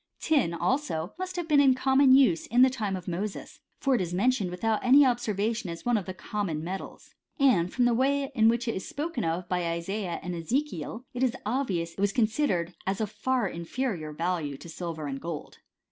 Tin, also, must have been in common use in the ^ime of Moses ; for it is mentioned without any ob servation as one of the common metals.* And from the way in which it is spoken of by Isaiah and Eze kiel, it is obvious that it was considered as of far in ferior value to silver and gold.